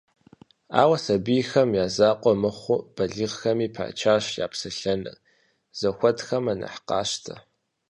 Ауэ сабийхэм я закъуэ мыхъуу, балигъхэми пачащ я псэлъэным, зэхуэтхэмэ нэхъ къащтэ.